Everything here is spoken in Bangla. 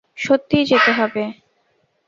সত্যিই যেতে হবে।